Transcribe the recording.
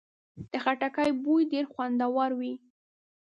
د خټکي بوی ډېر خوندور وي.